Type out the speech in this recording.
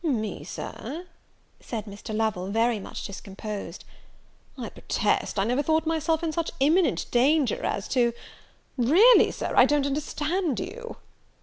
"Me, Sir!" said Mr. Lovel, very much discomposed; "I protest I never thought myself in such imminent danger as to really, Sir, I don't understand you."